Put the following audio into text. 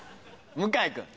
向井君。